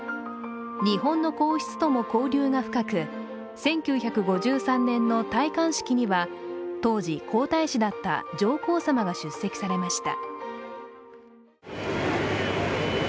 日本の皇室とも交流が深く、１９５３年の戴冠式には当時皇太子だった上皇さまが出席されました。